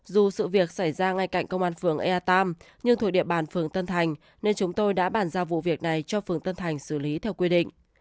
dù sự việc xảy ra ngay cạnh công an phường ea tam nhưng thuộc địa bàn phường tân thành nên chúng tôi đã bàn ra vụ việc này cho phường tân thành xử lý theo quy định